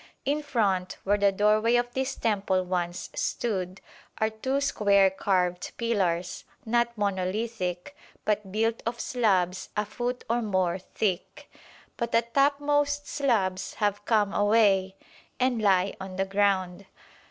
In front, where the doorway of this temple once stood, are two square carved pillars, not monolithic, but built of slabs a foot or more thick; but the topmost slabs have come away and lie on the ground.